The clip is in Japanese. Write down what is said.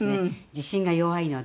地震が弱いので。